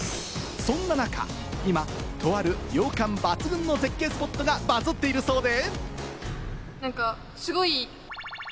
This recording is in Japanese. そんな中、今、とある涼感抜群の絶景スポットがバズっているそうで。